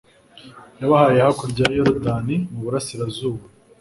yabahaye hakurya ya yorudani, mu burasirazuba